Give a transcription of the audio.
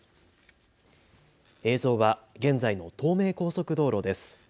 映像は現在の東名高速道路です。